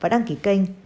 và đăng ký kênh